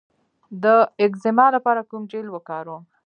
د اکزیما لپاره کوم جیل وکاروم؟